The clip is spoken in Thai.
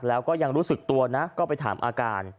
แล้วก็ยังรู้สึกตัวนะก็ไปถามอาการ